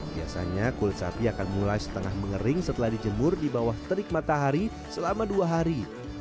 biasanya kulit sapi akan mulai setengah mengering setelah dijemur di bawah terik matahari selama dua hari